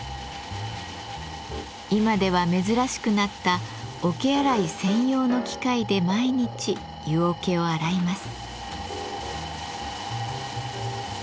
今では珍しくなった桶洗い専用の機械で毎日湯桶を洗います。